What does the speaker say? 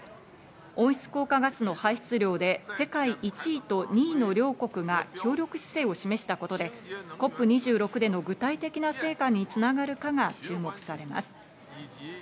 温室効果ガスの排出量で世界１位と２位の両国が協力姿勢を示したことで、ＣＯＰ２６での具体的な成果に繋がるかが注目されています。